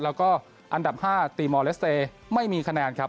แล้วก็อันดับ๕ตีมอลเลสเตย์ไม่มีคะแนนครับ